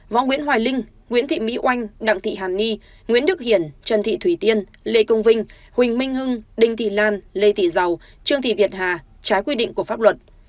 võ nguyễn hoài linh nguyễn thị mỹ oanh đặng thị hàn ni nguyễn đức hiển trần thị thủy tiên lê công vinh huỳnh minh hưng đinh thị lan lê thị giàu trương thị việt hà trái quy định của pháp luật